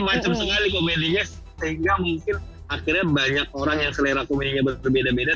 macam sekali komedinya sehingga mungkin akhirnya banyak orang yang selera komedinya berbeda beda